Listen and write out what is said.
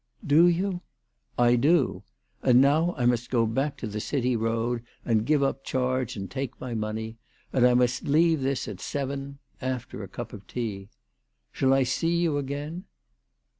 " Do you ?" "I do. And now I must go back to the City Road and give up charge and take my money. And I must leave this at seven after a cup of tea. Shall I see you again